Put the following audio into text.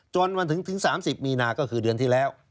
จนถึง๓๐มีนาก็คือเดือนที่แล้ว